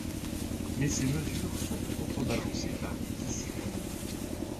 Mais ces mesures sont contrebalancées par des disciplines.